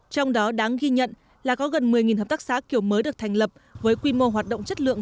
trong đó đáng ghi nhận là có gần một mươi hợp tác xã kiểu mới được thành lập với quy mô hoạt động chất lượng